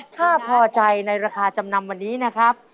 ถ้าพอใจในราคาจำนำวันนี้นะครับ